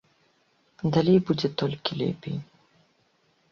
Далей будзе толькі лепей.